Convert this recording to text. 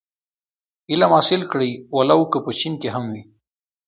علم حاصل کړی و لو که په چين کي هم وي.